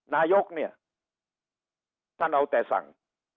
นายกเนี่ยท่านเอาแต่สั่ง